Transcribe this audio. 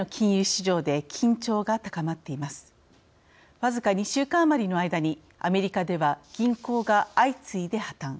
僅か２週間余りの間にアメリカでは銀行が相次いで破綻。